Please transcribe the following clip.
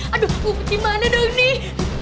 aduh bukti mana dong nih